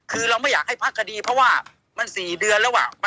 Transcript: คือเราไม่อยากให้พักคดีเพราะว่ามัน๔เดือนแล้ว